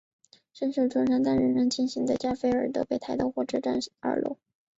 身受重伤但仍然清醒的加菲尔德被抬到火车站二楼。